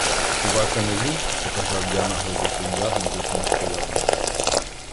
— Хіба це не він? — показав я на глибокий яр, над яким стояв монастир.